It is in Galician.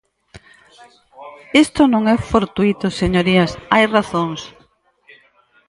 Isto non é fortuíto, señorías, hai razóns.